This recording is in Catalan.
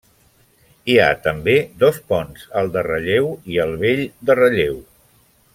Hi ha també dos ponts: el de Ralleu, i el Vell de Ralleu.